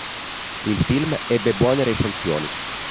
Il film ebbe buone recensioni.